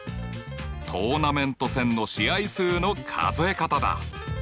トーナメント戦の試合数の数え方だ！